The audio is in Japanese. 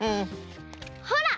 ほら！